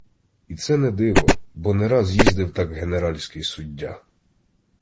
І це не диво, бо не раз їздив так генеральський суддя.